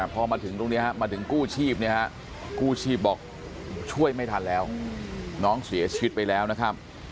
ผู้ชีพบอกช่วยไม่ทันแล้วน้องเสียชีวิตไปแล้วนะครับ